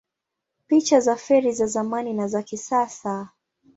Picha za feri za zamani na za kisasa